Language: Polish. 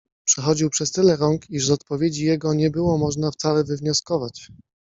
Przechodził przez tyle rąk, iż z odpowiedzi jego nie było można wcale wywnioskować.